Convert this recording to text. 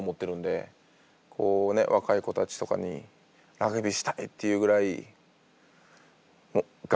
若い子たちとかにラグビーしたいっていうぐらい額